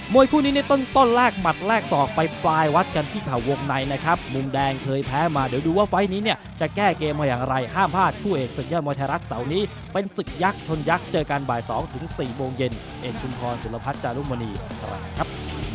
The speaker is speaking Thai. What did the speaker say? วยคู่นี้ในต้นแลกหมัดแลกศอกไปปลายวัดกันที่เข่าวงในนะครับมุมแดงเคยแพ้มาเดี๋ยวดูว่าไฟล์นี้เนี่ยจะแก้เกมมาอย่างไรห้ามพลาดคู่เอกศึกยอดมวยไทยรัฐเสาร์นี้เป็นศึกยักษ์ชนยักษ์เจอกันบ่าย๒ถึง๔โมงเย็นเอกชุมพรสุรพัฒน์จารุมณีอะไรครับ